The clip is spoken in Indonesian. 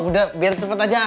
udah biar cepet aja